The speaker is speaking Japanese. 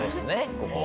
ここは。